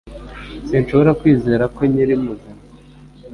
Sinshobora kwizera ko nkiri muzima